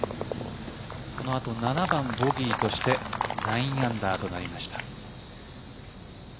この後、７番ボギーとして９アンダーとなりました。